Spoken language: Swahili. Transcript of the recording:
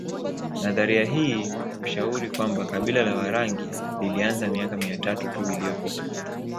Nadharia hii hushauri kwamba kabila la Warangi lilianza miaka mia tatu tu iliyopita